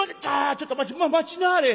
ちょっと待ち待ちなはれ！